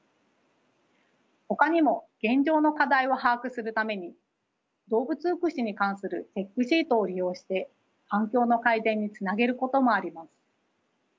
ほかにも現状の課題を把握するために動物福祉に関するチェックシートを利用して環境の改善につなげることもあります。